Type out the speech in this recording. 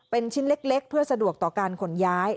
เป็นชิ้นเล็กเพื่อสะดวกต่อการขนย้าย